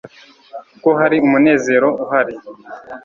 Ko hari umunezero uhari